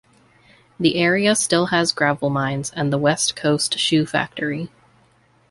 The area still has gravel mines and the West Coast Shoe factory.